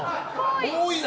多いな！